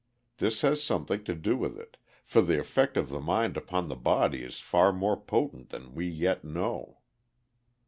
This has something to do with it, for the effect of the mind upon the body is far more potent than we yet know.